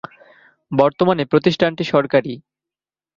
বর্তমানে প্রতিষ্ঠানটি সরকারি।